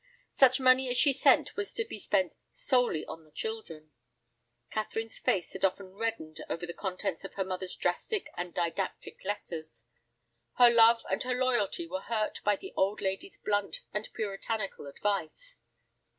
Such money as she sent was to be spent "solely on the children." Catherine's face had often reddened over the contents of her mother's drastic and didactic letters. Her love and her loyalty were hurt by the old lady's blunt and Puritanical advice.